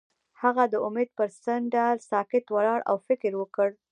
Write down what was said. هغه د امید پر څنډه ساکت ولاړ او فکر وکړ.